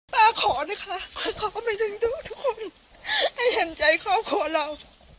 ป้าขอนะคะขอให้ทุกคนให้เห็นใจครอบครัวเรา